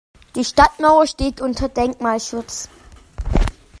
Die Stadtmauer steht unter Denkmalschutz.